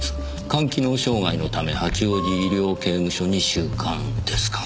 肝機能障害のため八王子医療刑務所に収監ですか。